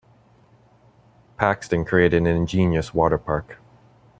Paxton created an ingenious water park.